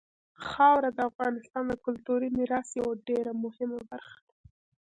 خاوره د افغانستان د کلتوري میراث یوه ډېره مهمه برخه ده.